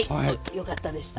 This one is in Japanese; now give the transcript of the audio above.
よかったでした。